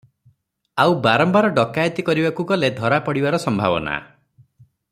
ଆଉ ବାରମ୍ବାର ଡକାଏତି କରିବାକୁ ଗଲେ ଧରା ପଡ଼ିବାର ସମ୍ଭାବନା ।